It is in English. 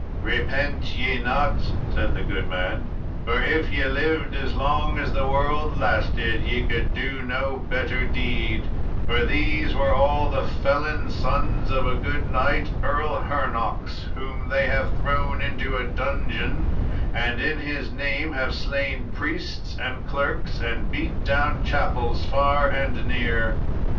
"Repent ye not," said the good man, "for if ye lived as long as the world lasted ye could do no better deed, for these were all the felon sons of a good knight, Earl Hernox, whom they have thrown into a dungeon, and in his name have slain priests and clerks, and beat down chapels far and near."